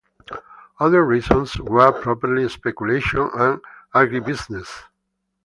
Other reasons were property speculation and agribusiness.